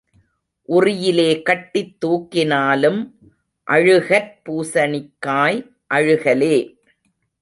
உறியிலே கட்டித் தூக்கினாலும் அழுகற் பூசணிக்காய் அழுகலே.